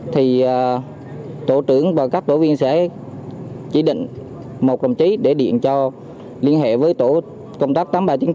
thì tổ trưởng và các tổ viên sẽ chỉ định một công trí để điện cho liên hệ với tổ công tác tám mươi ba bốn